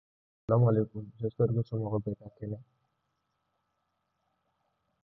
Iyabo Ojo ni Tiwa ye teriw ye ka sababu kɛ misi fila ye